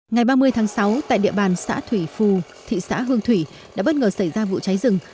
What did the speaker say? ngày ba mươi tháng sáu tại địa bàn xã thủy phù thị xã hương thủy đã bất ngờ xảy ra vụ cháy rừng